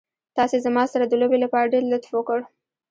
تاسې زما سره د لوبې لپاره ډېر لطف وکړ.